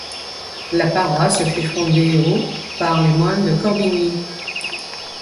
La paroisse fut fondée au par les moines de Corbigny.